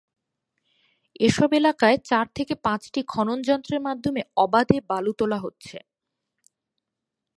এসব এলাকায় চার থেকে পাঁচটি খননযন্ত্রের মাধ্যমে অবাধে বালু তোলা হচ্ছে।